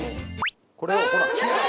これをほら！